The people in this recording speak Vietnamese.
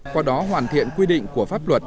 qua đó hoàn thiện quy định của pháp luật